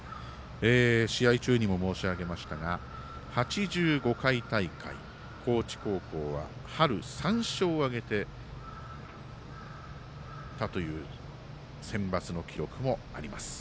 試合中にも申し上げましたが８５回大会、高知高校は春３勝を挙げたというセンバツの記録もあります。